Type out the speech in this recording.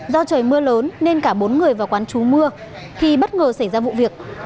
do trời mưa lớn nên cả bốn người vào quán trú mưa thì bất ngờ xảy ra vụ việc